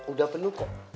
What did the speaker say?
udah penuh kok